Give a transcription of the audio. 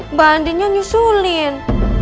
mbak andinnya nyusulin